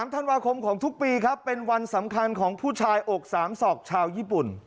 ธันวาคมของทุกปีครับเป็นวันสำคัญของผู้ชายอกสามศอกชาวญี่ปุ่น